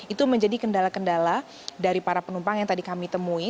itu menjadi kendala kendala dari para penumpang yang tadi kami temui